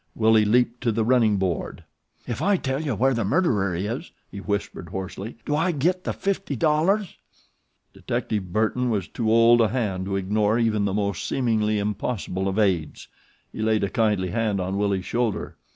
Willie leaped to the running board. "If I tell you where the murderer is," he whispered hoarsely, "do I git the $50.00?" Detective Burton was too old a hand to ignore even the most seemingly impossible of aids. He laid a kindly hand on Willie's shoulder.